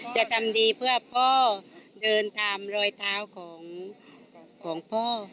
จะทำดีเพื่อพ่อเดินตามรอยเท้าของพ่อ